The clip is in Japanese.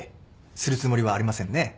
するつもりはありませんね。